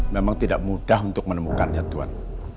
memang tidak mudah untuk menemukannya tuhan